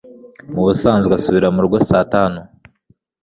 Mubusanzwe asubira murugo saa tanu.